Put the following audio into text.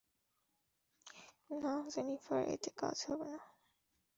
না, জেনিফার এতে কাজ হবে না।